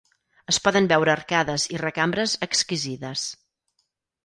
Es poden veure arcades i recambres exquisides.